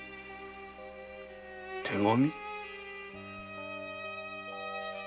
手紙？